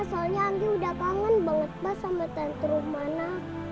soalnya anggi udah kangen banget banget sama tante rumana